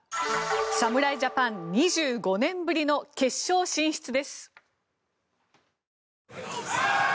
侍ジャパン２５年ぶりの決勝進出です。